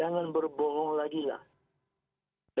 jangan berbohong lagi lah